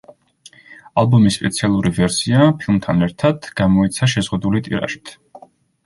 ალბომის სპეციალური ვერსია, ფილმთან ერთად, გამოიცა შეზღუდული ტირაჟით.